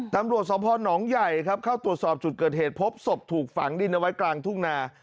ตำรวจสพนใหญ่ครับเข้าตรวจสอบจุดเกิดเหตุพบศพถูกฝังดินเอาไว้กลางทุ่งนา